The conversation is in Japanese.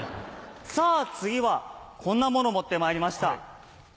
さぁ次はこんな物を持ってまいりました。